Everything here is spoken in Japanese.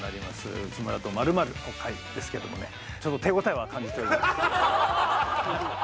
「内村と○○の会」ですけれども、手応えは感じております。